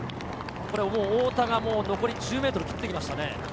太田が残り１０ｍを切ってきました。